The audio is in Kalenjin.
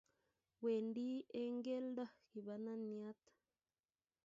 Wendi eng keldo kibananyat